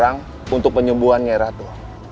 sekarang untuk penyembuhan nyai ratu